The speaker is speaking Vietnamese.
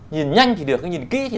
nhìn nhanh thì được nhưng nhìn kĩ thì